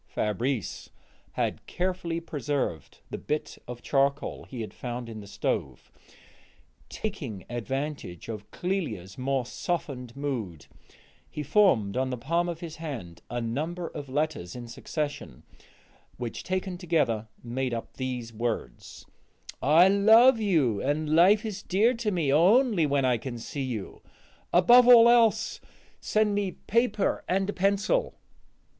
Fabrice had carefully preserved the bit of charcoal he had found in the stove; taking advantage of Clélia's more softened mood, he formed on the palm of his hand a number of letters in succession, which taken together made up these words: "I love you, and life is dear to me only when I can see you. Above all else, send me paper and a pencil."